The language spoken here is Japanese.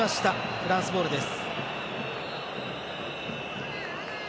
フランスボールです。